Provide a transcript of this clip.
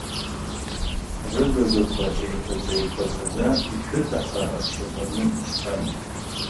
Рыгагақәа еиқәаҵәа-еиқәаҵәаӡа, ишәытаха ршьапаны ишьҭан.